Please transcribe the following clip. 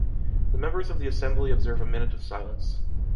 The members of the Assembly observe a minute of silence.